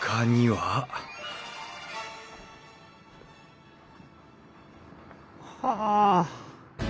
はあ。